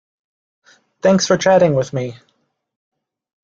Thanks for chatting with me.